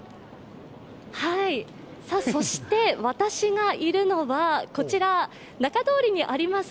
そして、私がいるのはこちら仲通りにあります